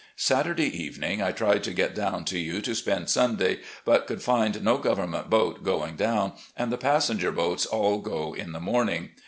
Saturday evening I tried to get down to you to spend Sunday, but could find no government boat going down, and the passenger boats all go in the morning.